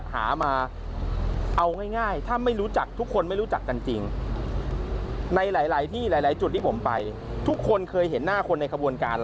พี่กันได้สอบ